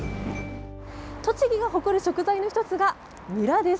栃木が誇る食材の一つがにらです。